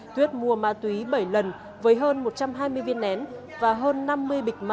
tuyết mua ma túy bảy lần với hơn một trăm hai mươi viên nén và hơn năm mươi bịch